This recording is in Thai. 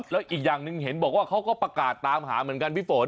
แล้วอีกอย่างหนึ่งเห็นบอกว่าเขาก็ประกาศตามหาเหมือนกันพี่ฝน